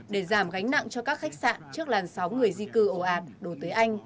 để giảm gánh nặng cho các khách sạn trước làn sóng người di cư ồ ạt đổ tới anh